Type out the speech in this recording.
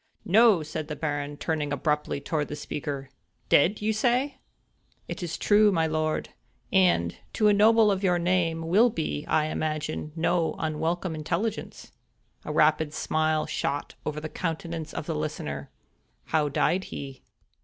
"No!" said the Baron, turning abruptly toward the speaker, "dead! say you?" "It is indeed true, my lord; and, to a noble of your name, will be, I imagine, no unwelcome intelligence." A rapid smile shot over the countenance of the listener. "How died he?"